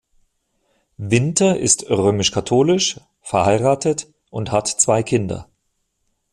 Winter ist römisch-katholisch, verheiratet und hat zwei Kinder.